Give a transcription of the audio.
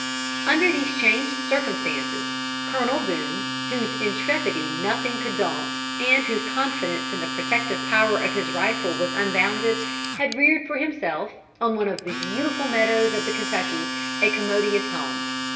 Under these changed circumstances, Colonel Boone, whose intrepidity nothing could daunt, and whose confidence in the protective power of his rifle was unbounded, had reared for himself, on one of the beautiful meadows of the Kentucky, a commodious home.